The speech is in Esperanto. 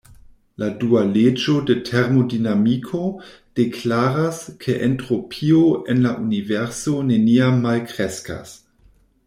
La dua leĝo de termodinamiko deklaras, ke entropio en la Universo neniam malkreskas.